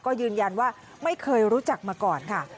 ก็ยืนยันว่าไม่เคยรู้จักมาก่อนค่ะ